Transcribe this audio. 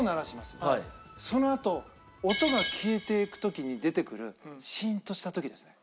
そのあと音が消えていく時に出てくるシーンとした時ですね。